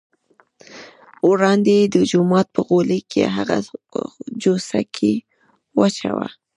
وړاندې یې د جومات په غولي کې هغه جوسه کې واچوه.